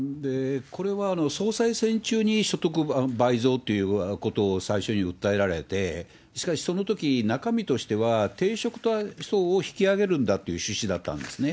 これは総裁選中に所得倍増っていうことを最初に訴えられて、しかしそのとき、中身としては低所得層を引き上げるんだという趣旨だったんですね。